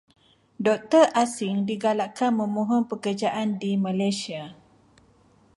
Doktor asing digalakkan memohon pekerjaan di Malaysia.